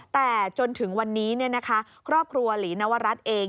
แต่จนถึงวันนี้ครอบครัวหลีนวรัฐเอง